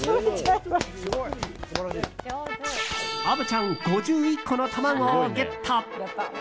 虻ちゃん、５１個の卵をゲット。